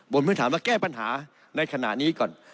บอกเมื่อถามว่าแก้ปัญหาในขณะงี้ก่อน